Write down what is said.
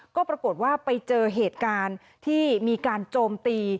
ก็ปรากฏว่าไปเจอเหตุการณ์ที่มีการโจมตี